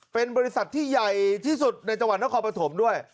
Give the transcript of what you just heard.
เป็นบริษัทที่ใหญ่ที่สุดในจังหวัดนครปฐมด้วย